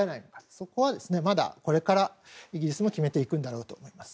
そこはまだこれからイギリスも決めていくんだろうと思います。